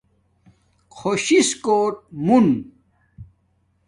خوش شس کوٹ مون